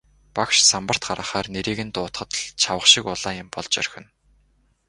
Багш самбарт гаргахаар нэрийг нь дуудахад л чавга шиг улаан юм болж орхино.